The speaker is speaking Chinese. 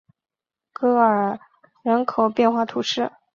戈阿人口变化图示